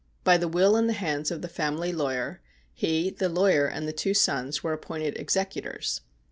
By the will in the hands of the family lawyer, he (the lawyer) and the two sons were appointed executors.